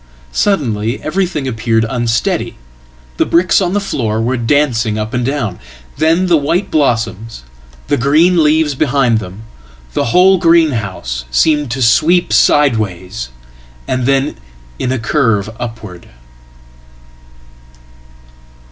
Suddenly everything appeared unsteady. The bricks on thefloor were dancing up and down. Then the white blossoms, the green leavesbehind them, the whole greenhouse, seemed to sweep sideways, and then in acurve upward.